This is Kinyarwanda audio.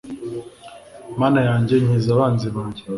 Mana yanjye nkiza abanzi banjye